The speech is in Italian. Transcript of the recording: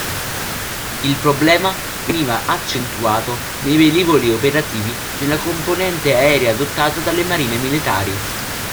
Il problema veniva accentuato nei velivoli operativi nella componente aerea adottata dalle marine militari.